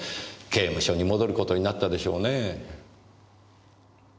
刑務所に戻ることになったでしょうねぇ。